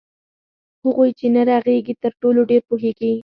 هغوئ چي نه ږغيږي ترټولو ډير پوهيږي